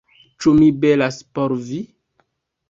- Ĉu mi belas por vi?